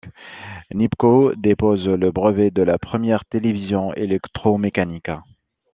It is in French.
Nipkow dépose le brevet de la première télévision électromécanique.